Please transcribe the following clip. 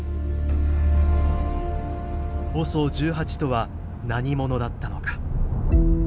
ＯＳＯ１８とは何者だったのか。